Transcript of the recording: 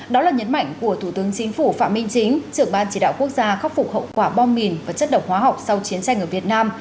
đó là nhấn mạnh của thủ tướng chính phủ phạm minh chính trưởng ban chỉ đạo quốc gia khắc phục hậu quả bom mìn và chất độc hóa học sau chiến tranh ở việt nam